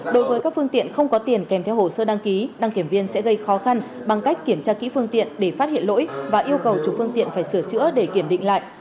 đối với các phương tiện không có tiền kèm theo hồ sơ đăng ký đăng kiểm viên sẽ gây khó khăn bằng cách kiểm tra kỹ phương tiện để phát hiện lỗi và yêu cầu chủ phương tiện phải sửa chữa để kiểm định lại